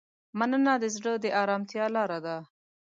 مننه د زړه د ارامتیا لاره ده.